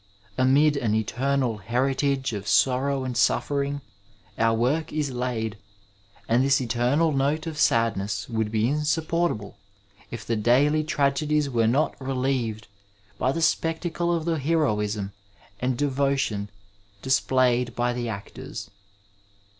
Amid an eternal heritage of sorrow and suffering our work is laid, and this eternal note of sadness would be insupportable if the daily tragedies were not relieved by the spectacle of the heroism and devotion displayed by the actors.